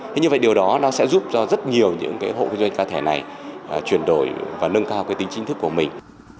thế như vậy điều đó nó sẽ giúp cho rất nhiều những hộ kinh doanh cá thể này chuyển đổi và nâng cao cái tính chính thức của mình